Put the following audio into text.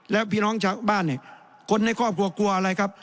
แล้วพี่น้องชาวบ้านเนี่ยคนในครอบครัวกลัวอะไรครับ